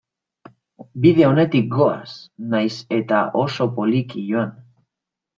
Bide onetik goaz, nahiz eta oso poliki joan.